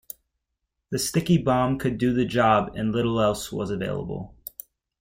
The sticky bomb could do the job and little else was available.